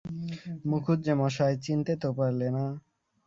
মুখুজ্যেমশায়, চিনতে তো পারলে না?